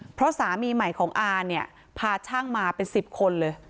เพราะสามีใหม่ของอาเนี่ยพาช่างมาเป็น๑๐คนเลย